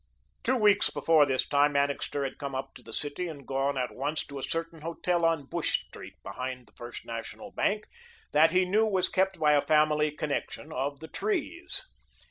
Two weeks before this time, Annixter had come up to the city and had gone at once to a certain hotel on Bush Street, behind the First National Bank, that he knew was kept by a family connection of the Trees.